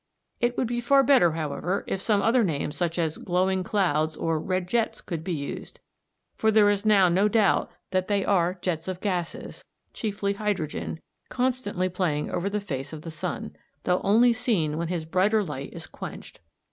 It would be far better, however, if some other name such as "glowing clouds" or "red jets" could be used, for there is now no doubt that they are jets of gases, chiefly hydrogen, constantly playing over the face of the sun, though only seen when his brighter light is quenched.